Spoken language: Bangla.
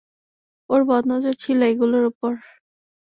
ওর বদ নজর ছিল এগুলোর ওপর।